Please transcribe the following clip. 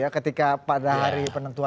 ketika pada hari penentuan